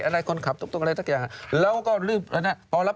อะไรคนขับทุกอะไรทักอย่างแล้วก็ลืมแล้วน่ะตอบรับ